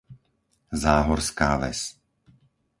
Záhorská Ves